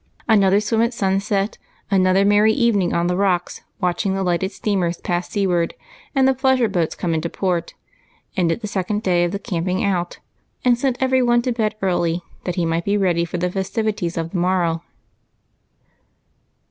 Another swim at sunset, another merry evening on the rocks watching the lighted steamers pass seaward and the pleasure boats come into port, ended the second day of the camping out, and sent every one to 110 EIGHT COUSINS, bed early that they might be ready for the festivitib" of the morrow.